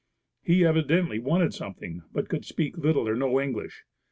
He evidently wanted something, but could speak little or no English.